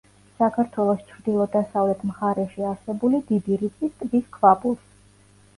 საქართველოს ჩრდილო-დასავლეთ მხარეში არსებული დიდი რიწის ტბის ქვაბულს.